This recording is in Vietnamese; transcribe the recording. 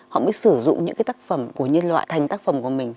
họ mới sử dụng những cái tác phẩm của nhân loại thành tác phẩm của mình